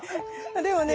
でもね